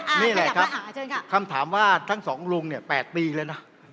แค่นี้แหละครับคำถามว่าทั้งสองลุง๘ปีเลยนะ